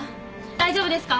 大丈夫ですか？